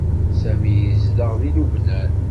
Sami yezdeɣ deg Lubnan.